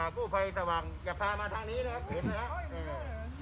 สุดยาวด้วย